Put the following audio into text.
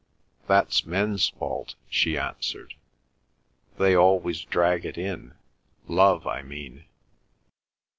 "That's men's fault," she answered. "They always drag it in—love, I mean."